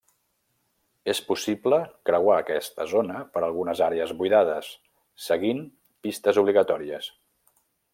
És possible creuar aquesta zona per algunes àrees buidades, seguint pistes obligatòries.